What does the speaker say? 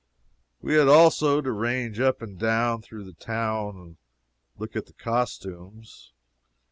We had also to range up and down through the town and look at the costumes.